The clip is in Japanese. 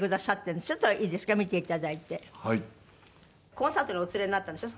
「コンサートにお連れになったんでしょ？